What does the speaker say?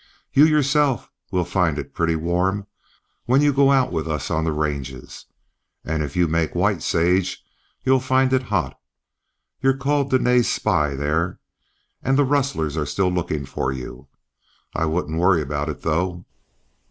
You yourself will find it pretty warm when you go out with us on the ranges, and if you make White Sage you'll find it hot. You're called 'Dene's spy' there, and the rustlers are still looking for you. I wouldn't worry about it, though."